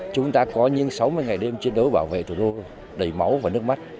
chúng ta có những sáu mươi ngày đêm chiến đấu bảo vệ thủ đô đầy máu và nước mắt